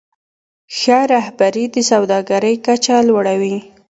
ښه رهبري د سوداګرۍ کچه لوړوي.